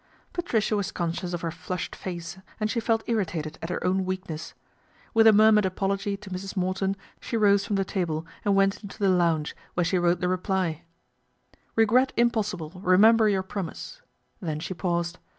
Patricia was conscious of her flushed face and she felt irritated at her own weakness. With a murmured apology to Mrs. Morton she rose from the table and went into the lounge where she wrote the reply :" Regret impossible remember your promise," then she paused.